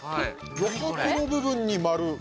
余白の部分に丸。